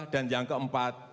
dan yang keempat